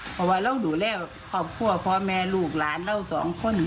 เพราะว่าเราดูแลครอบครัวพ่อแม่ลูกหลานเราสองคน